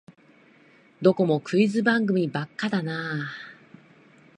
どこもクイズ番組ばっかだなあ